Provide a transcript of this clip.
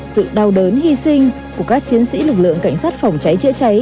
sự đau đớn hy sinh của các chiến sĩ lực lượng cảnh sát phòng cháy chữa cháy